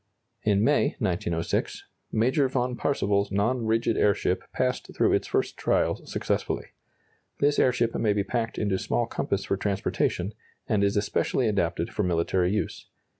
In May, 1906, Major von Parseval's non rigid airship passed through its first trials successfully. This airship may be packed into small compass for transportation, and is especially adapted for military use.